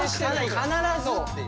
必ずっていう。